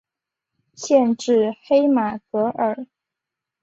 县治黑马戈尔。